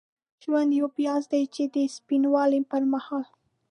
ژوند یو پیاز دی چې د سپینولو پرمهال.